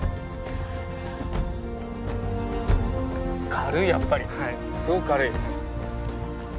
軽いやっぱりすごく軽い。